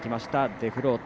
デフロート。